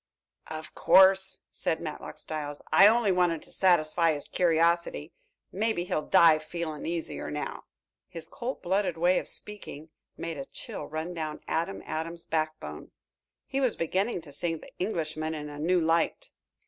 "Of course," said Matlock Styles. "I only wanted to satisfy his curiosity. Maybe he'll die feeling easier now." His cold blooded way of speaking made a chill run down Adam Adams' backbone. He was beginning to see the Englishman in a new light.